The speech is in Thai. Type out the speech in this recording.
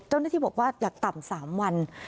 เจ้าหน้าที่บอกว่าอยากต่ำ๓วัน